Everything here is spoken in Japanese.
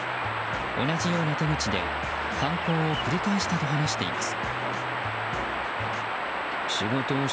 同じような手口で犯行を繰り返したと話しています。